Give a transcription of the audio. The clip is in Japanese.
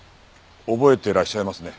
覚えてらっしゃいますね？